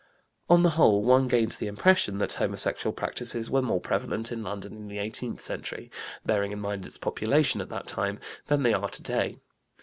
On the whole one gains the impression that homosexual practices were more prevalent in London in the eighteenth century, bearing in mind its population at that time, than they are today.